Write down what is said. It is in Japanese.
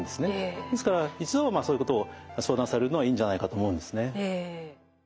ですから一度はそういうことを相談されるのはいいんじゃないかと思うんですね。